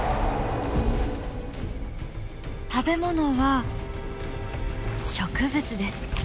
食べ物は植物です。